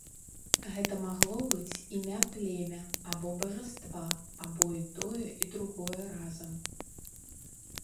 Гэта магло быць імя племя або бажаства, або і тое, і другое разам.